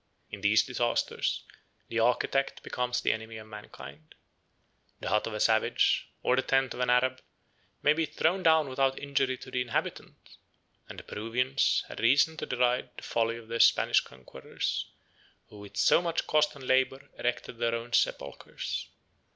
In these disasters, the architect becomes the enemy of mankind. The hut of a savage, or the tent of an Arab, may be thrown down without injury to the inhabitant; and the Peruvians had reason to deride the folly of their Spanish conquerors, who with so much cost and labor erected their own sepulchres.